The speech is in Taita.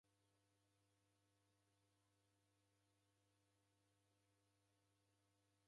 W'adaw'ida w'iduaa w'ikiboisa nyama ya mdanda?